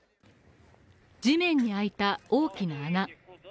地面に開いた大きな穴。